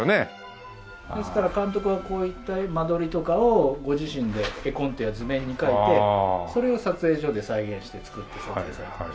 ですから監督はこういった間取りとかをご自身で絵コンテや図面に描いてそれを撮影所で再現して作って撮影されて。